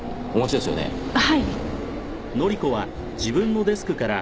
はい。